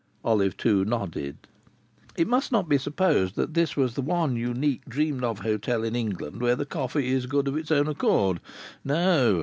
Olive Two nodded. It must not be supposed that this was the one unique dreamed of hotel in England where the coffee is good of its own accord. No!